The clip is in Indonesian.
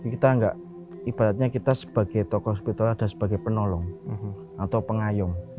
kita enggak ibaratnya kita sebagai tokoh spiritual dan sebagai penolong atau pengayum